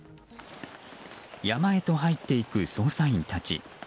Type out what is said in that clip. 山へと入っていく捜査員たち。